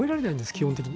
基本的に。